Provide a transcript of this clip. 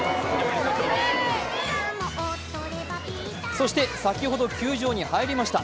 そして先ほど球場に入りました。